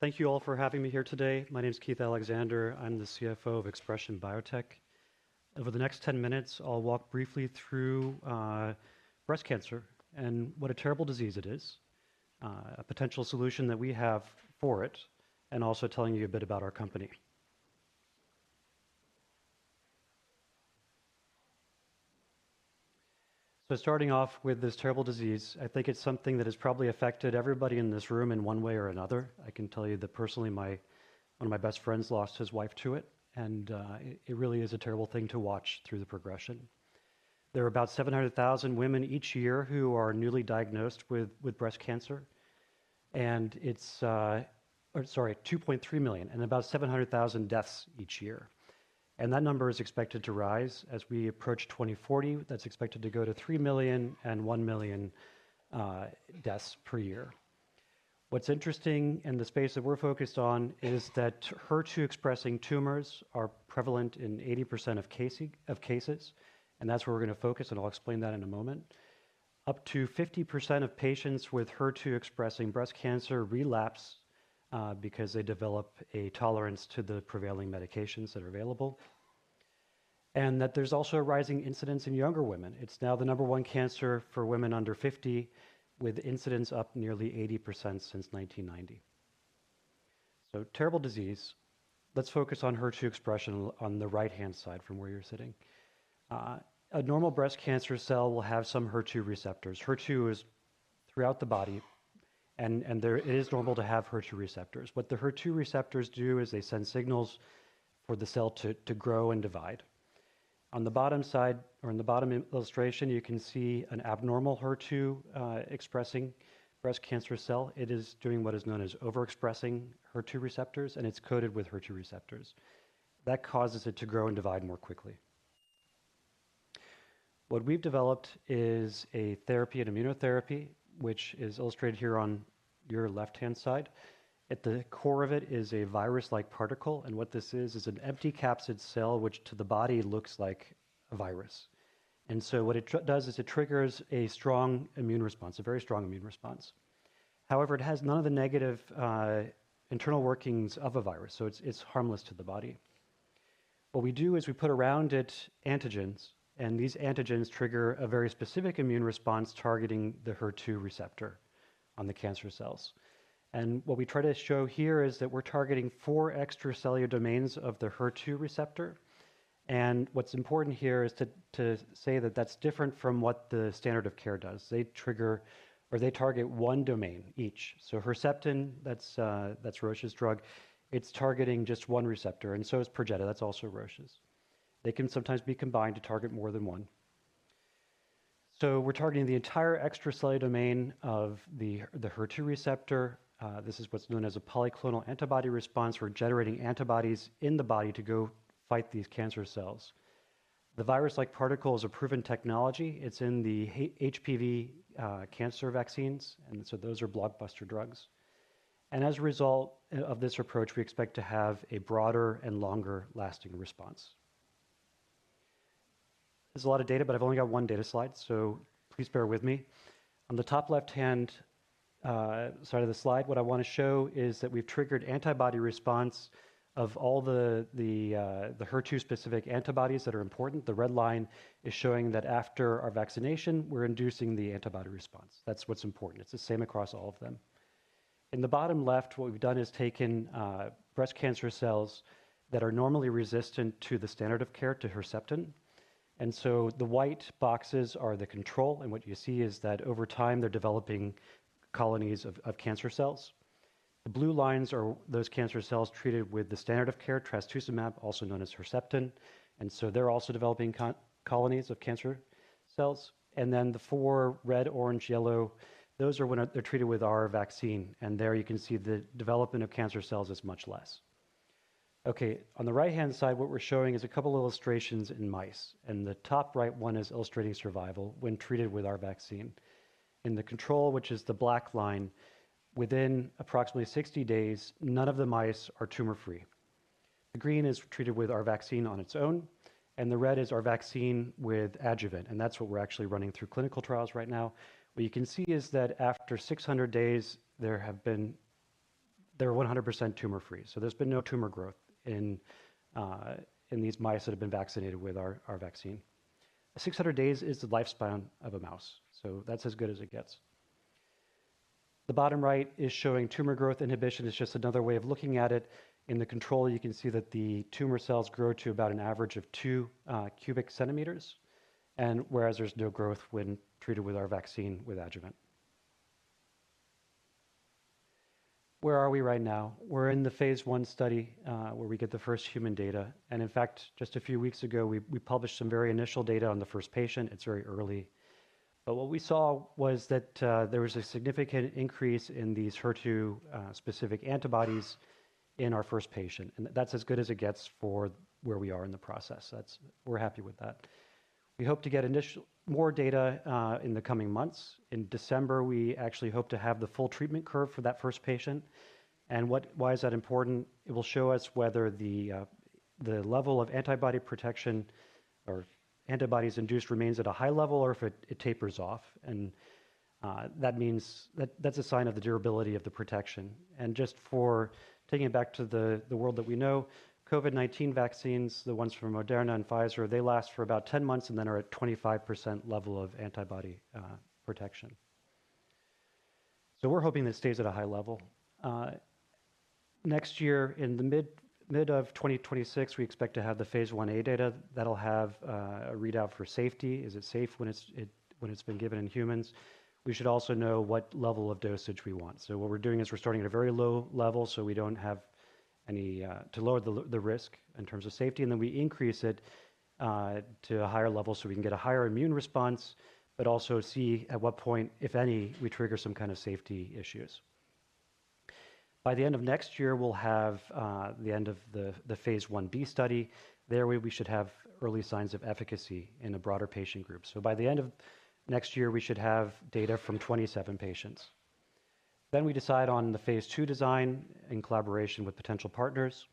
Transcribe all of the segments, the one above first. Thank you all for having me here today. My name is Keith Alexander. I'm the CFO of ExpreS2ion Biotech. Over the next 10 minutes, I'll walk briefly through breast cancer and what a terrible disease it is, a potential solution that we have for it, and also telling you a bit about our company. So starting off with this terrible disease, I think it's something that has probably affected everybody in this room in one way or another. I can tell you that personally, one of my best friends lost his wife to it, and it really is a terrible thing to watch through the progression. There are about 700,000 women each year who are newly diagnosed with breast cancer, and it's, sorry, 2.3 million and about 700,000 deaths each year. And that number is expected to rise as we approach 2040. That's expected to go to 3 million and 1 million deaths per year. What's interesting in the space that we're focused on is that HER2-expressing tumors are prevalent in 80% of cases, and that's where we're going to focus, and I'll explain that in a moment. Up to 50% of patients with HER2-expressing breast cancer relapse because they develop a tolerance to the prevailing medications that are available, and that there's also a rising incidence in younger women. It's now the number one cancer for women under 50, with incidence up nearly 80% since 1990, so terrible disease. Let's focus on HER2 expression on the right-hand side from where you're sitting. A normal breast cancer cell will have some HER2 receptors. HER2 is throughout the body, and it is normal to have HER2 receptors. What the HER2 receptors do is they send signals for the cell to grow and divide. On the bottom side, or in the bottom illustration, you can see an abnormal HER2-expressing breast cancer cell. It is doing what is known as overexpressing HER2 receptors, and it's coated with HER2 receptors. That causes it to grow and divide more quickly. What we've developed is a therapy and immunotherapy, which is illustrated here on your left-hand side. At the core of it is a virus-like particle, and what this is, is an empty capsid shell which to the body looks like a virus, and so what it does is it triggers a strong immune response, a very strong immune response. However, it has none of the negative internal workings of a virus, so it's harmless to the body. What we do is we put around it antigens, and these antigens trigger a very specific immune response targeting the HER2 receptor on the cancer cells. What we try to show here is that we're targeting four extracellular domains of the HER2 receptor, and what's important here is to say that that's different from what the standard of care does. They trigger or they target one domain each. Herceptin, that's Roche's drug, it's targeting just one receptor, and so is Perjeta. That's also Roche's. They can sometimes be combined to target more than one. We're targeting the entire extracellular domain of the HER2 receptor. This is what's known as a polyclonal antibody response. We're generating antibodies in the body to go fight these cancer cells. The virus-like particle is a proven technology. It's in the HPV cancer vaccines, and so those are blockbuster drugs. As a result of this approach, we expect to have a broader and longer-lasting response. There's a lot of data, but I've only got one data slide, so please bear with me. On the top left-hand side of the slide, what I want to show is that we've triggered antibody response of all the HER2-specific antibodies that are important. The red line is showing that after our vaccination, we're inducing the antibody response. That's what's important. It's the same across all of them. In the bottom left, what we've done is taken breast cancer cells that are normally resistant to the standard of care to Herceptin, and so the white boxes are the control, and what you see is that over time they're developing colonies of cancer cells. The blue lines are those cancer cells treated with the standard of care trastuzumab, also known as Herceptin, and so they're also developing colonies of cancer cells. Then the four red, orange, yellow, those are when they're treated with our vaccine, and there you can see the development of cancer cells is much less. Okay, on the right-hand side, what we're showing is a couple of illustrations in mice, and the top right one is illustrating survival when treated with our vaccine. In the control, which is the black line, within approximately 60 days, none of the mice are tumor-free. The green is treated with our vaccine on its own, and the red is our vaccine with adjuvant, and that's what we're actually running through clinical trials right now. What you can see is that after 600 days, there have been, they're 100% tumor-free, so there's been no tumor growth in these mice that have been vaccinated with our vaccine. 600 days is the lifespan of a mouse, so that's as good as it gets. The bottom right is showing tumor growth inhibition. It's just another way of looking at it. In the control, you can see that the tumor cells grow to about an average of two cm3, whereas there's no growth when treated with our vaccine with adjuvant. Where are we right now? We're in the phase I study where we get the first human data, and in fact, just a few weeks ago, we published some very initial data on the first patient. It's very early, but what we saw was that there was a significant increase in these HER2-specific antibodies in our first patient, and that's as good as it gets for where we are in the process. We're happy with that. We hope to get more data in the coming months. In December, we actually hope to have the full treatment curve for that first patient. Why is that important? It will show us whether the level of antibody protection or antibodies induced remains at a high level or if it tapers off, and that means that's a sign of the durability of the protection. Just for taking it back to the world that we know, COVID-19 vaccines, the ones from Moderna and Pfizer, they last for about 10 months and then are at 25% level of antibody protection. We're hoping that stays at a high level. Next year, in the mid of 2026, we expect to have the phase I-A data. That'll have a readout for safety. Is it safe when it's been given in humans? We should also know what level of dosage we want. So what we're doing is we're starting at a very low level so we don't have any, to lower the risk in terms of safety, and then we increase it to a higher level so we can get a higher immune response, but also see at what point, if any, we trigger some kind of safety issues. By the end of next year, we'll have the end of the phase I-B study. There we should have early signs of efficacy in a broader patient group. So by the end of next year, we should have data from 27 patients. Then we decide on the phase II design in collaboration with potential partners,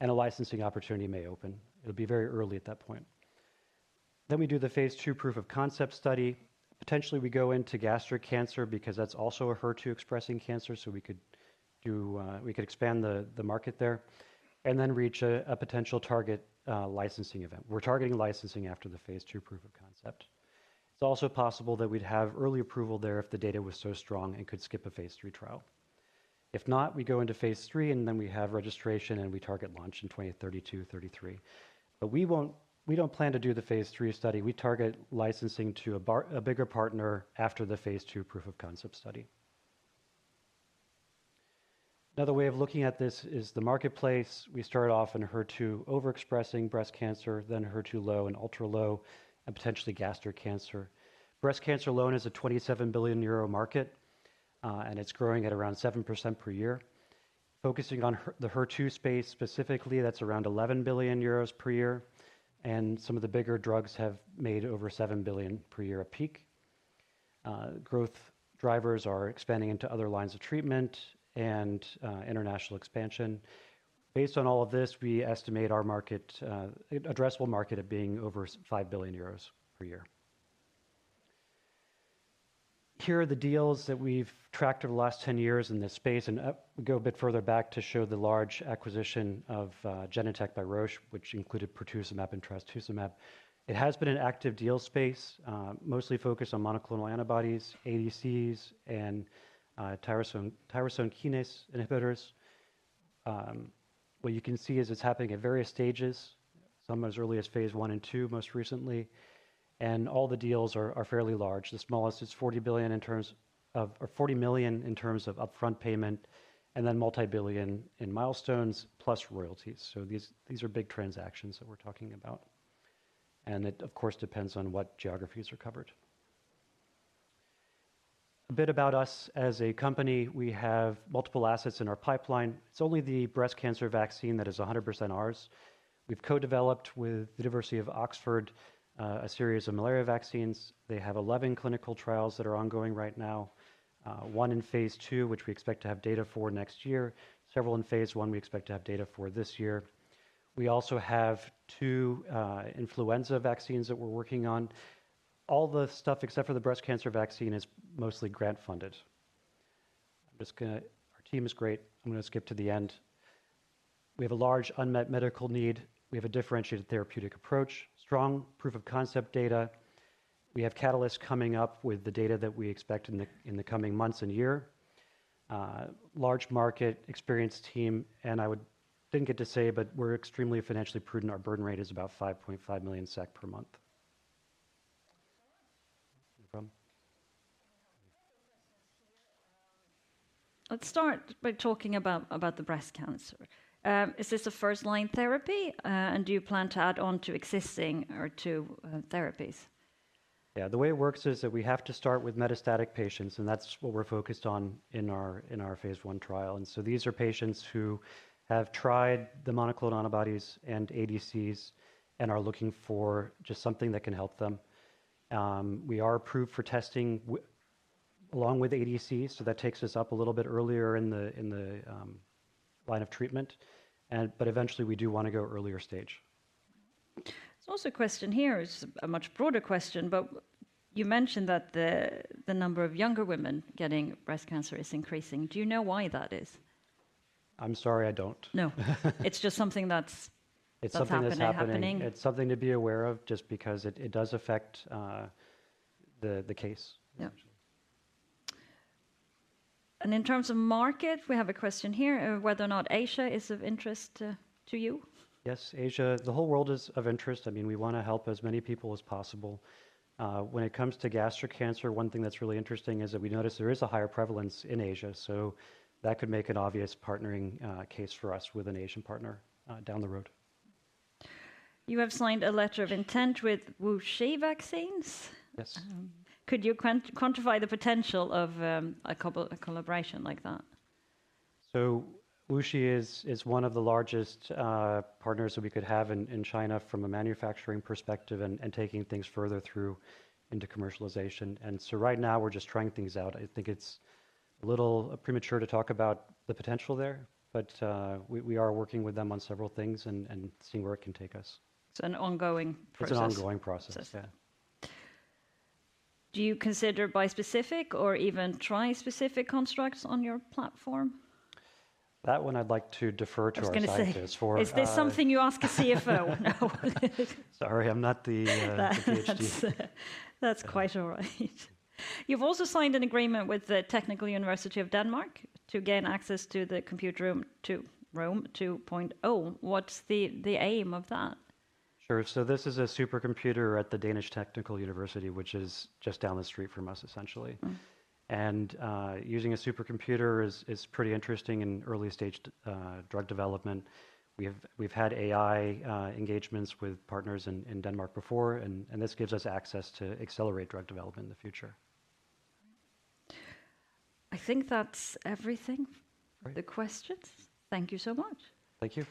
and a licensing opportunity may open. It'll be very early at that point. Then we do the phase II Proof of Concept study. Potentially, we go into gastric cancer because that's also a HER2-expressing cancer, so we could expand the market there, and then reach a potential target licensing event. We're targeting licensing after the phase II Proof of Concept. It's also possible that we'd have early approval there if the data was so strong and could skip a phase III trial. If not, we go into phase III, and then we have registration, and we target launch in 2032, 2033. But we don't plan to do the phase III study. We target licensing to a bigger partner after the phase II Proof of Concept study. Another way of looking at this is the marketplace. We start off in HER2 overexpressing breast cancer, then HER2-low and ultra-low, and potentially gastric cancer. Breast cancer alone is a 27 billion euro market, and it's growing at around 7% per year. Focusing on the HER2 space specifically, that's around 11 billion euros per year, and some of the bigger drugs have made over 7 billion per year a peak. Growth drivers are expanding into other lines of treatment and international expansion. Based on all of this, we estimate our market addressable market at being over 5 billion euros per year. Here are the deals that we've tracked over the last 10 years in this space, and we go a bit further back to show the large acquisition of Genentech by Roche, which included pertuzumab and trastuzumab. It has been an active deal space, mostly focused on monoclonal antibodies, ADCs, and tyrosine kinase inhibitors. What you can see is it's happening at various stages, some as early as phase I and II most recently, and all the deals are fairly large. The smallest is 40 billion in terms of - or 40 million in terms of upfront payment, and then multibillion in milestones plus royalties. So these are big transactions that we're talking about, and it, of course, depends on what geographies are covered. A bit about us as a company. We have multiple assets in our pipeline. It's only the breast cancer vaccine that is 100% ours. We've co-developed with the University of Oxford a series of malaria vaccines. They have 11 clinical trials that are ongoing right now, one in phase II, which we expect to have data for next year, several in phase I we expect to have data for this year. We also have two influenza vaccines that we're working on. All the stuff except for the breast cancer vaccine is mostly grant funded. I'm just going to - our team is great. I'm going to skip to the end. We have a large unmet medical need. We have a differentiated therapeutic approach, strong Proof of Concept data. We have catalysts coming up with the data that we expect in the coming months and year. Large market experience team, and I didn't get to say, but we're extremely financially prudent. Our burn rate is about 5.5 million SEK per month. Let's start by talking about the breast cancer. Is this a first-line therapy, and do you plan to add on to existing HER2 therapies? Yeah, the way it works is that we have to start with metastatic patients, and that's what we're focused on in our phase I trial. So these are patients who have tried the monoclonal antibodies and ADCs and are looking for just something that can help them. We are approved for testing along with ADCs, so that takes us up a little bit earlier in the line of treatment, but eventually we do want to go earlier stage. There's also a question here. It's a much broader question, but you mentioned that the number of younger women getting breast cancer is increasing. Do you know why that is? I'm sorry, I don't. No. It's just something that's it's something that's happening. It's something to be aware of just because it does affect the case. Yeah. And in terms of market, we have a question here of whether or not Asia is of interest to you. Yes, Asia. The whole world is of interest. I mean, we want to help as many people as possible. When it comes to gastric cancer, one thing that's really interesting is that we notice there is a higher prevalence in Asia, so that could make an obvious partnering case for us with an Asian partner down the road. You have signed a letter of intent with WuXi Vaccines. Yes. Could you quantify the potential of a collaboration like that? So WuXi is one of the largest partners that we could have in China from a manufacturing perspective and taking things further through into commercialization, and so right now we're just trying things out. I think it's a little premature to talk about the potential there, but we are working with them on several things and seeing where it can take us. It's an ongoing process. It's an ongoing process, yeah. Do you consider bispecific or even trispecific constructs on your platform? That one I'd like to defer to our scientists for. I was going to say, is this something you ask a CFO? No. Sorry, I'm not the PhD. That's quite all right. You've also signed an agreement with the Technical University of Denmark to gain access to the Computerome 2.0. What's the aim of that? Sure, so this is a supercomputer at the Technical University of Denmark, which is just down the street from us, essentially, and using a supercomputer is pretty interesting in early-stage drug development. We've had AI engagements with partners in Denmark before, and this gives us access to accelerate drug development in the future. I think that's everything for the questions. Thank you so much. Thank you.